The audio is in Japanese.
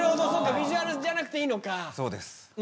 ヴィジュアルじゃなくていいのか。